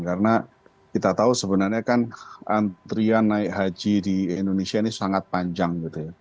karena kita tahu sebenarnya kan antrian naik haji di indonesia ini sangat panjang